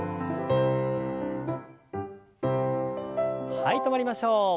はい止まりましょう。